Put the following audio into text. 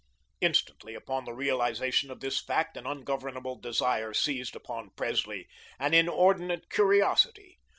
Instantly, upon the realisation of this fact an ungovernable desire seized upon Presley, an inordinate curiosity.